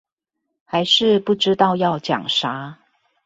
還是不知道要講啥